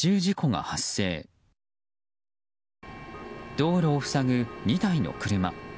道路を塞ぐ２台の車。